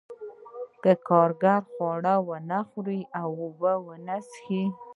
که کارګر خواړه ونه خوري او اوبه ونه څښي